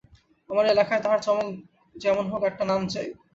আমার এ লেখায় তাহার যেমন হউক একটা নাম চাই।